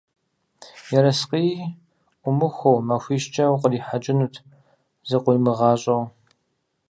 Ерыскъыи Ӏумыхуэу, махуищкӏэ укърихьэкӀынут зыкъыуимыгъащӀэу.